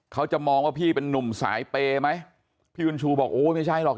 เขาจะมองว่าพี่เป็นนุ่มสายเปย์ไหมพี่บุญชูบอกโอ้ยไม่ใช่หรอก